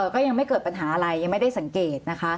ก็ยังไม่เกิดปัญหาอะไรยังไม่ได้สังเกตนะคะ